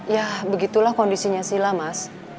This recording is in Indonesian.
yah begitulah kondisinya sila mas